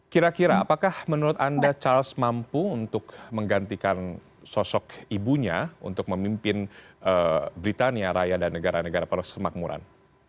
kira kira apakah menurut anda charles mampu untuk menggantikan sosok ibunya untuk memimpin britania raya dan negara negara persemakmuran